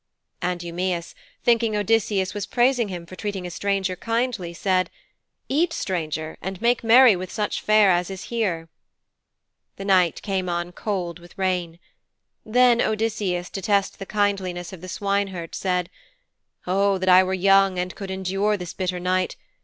And Eumæus, thinking Odysseus was praising him for treating a stranger kindly, said, 'Eat, stranger, and make merry with such fare as is here.' The night came on cold with rain. Then Odysseus, to test the kindliness of the swineherd, said, 'O that I were young and could endure this bitter night!